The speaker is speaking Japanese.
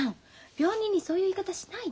病人にそういう言い方しないで。